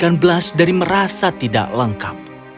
dia menghentikan blush dari merasa tidak lengkap